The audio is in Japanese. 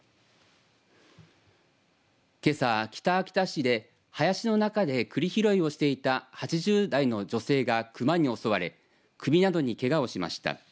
けさ、北秋田市で林の中でくり拾いをしていた８０代の女性が熊に襲われ首などにけがをしました。